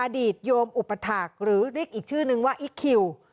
อดีตโยมอุปถักษ์หรือเรียกอีกชื่อนึงว่าอิคคิว